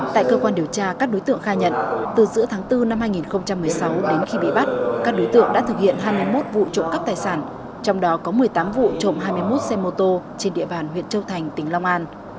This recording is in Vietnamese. tại cơ quan điều tra các đối tượng khai nhận từ giữa tháng bốn năm hai nghìn một mươi sáu đến khi bị bắt các đối tượng đã thực hiện hai mươi một vụ trộm cắp tài sản trong đó có một mươi tám vụ trộm hai mươi một xe mô tô trên địa bàn huyện châu thành tỉnh long an